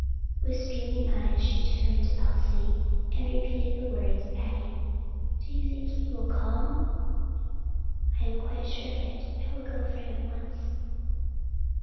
With streaming eyes she turned to Elsie and repeated the words, adding, "Do you think he would come?" "I am quite sure of it. I will go for him at once."